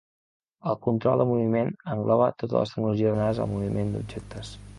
El control de Moviment engloba totes les tecnologies relacionades amb el moviment d'objectes.